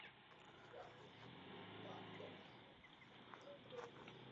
尖裂荚果蕨为球子蕨科荚果蕨属下的一个变种。